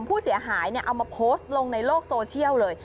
ผู้เสียหายเอามาโพสต์ลงในโลกโซเชียลเลย